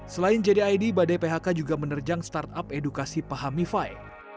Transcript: selain jdid badai phk juga menerjang startup edukasi pahamify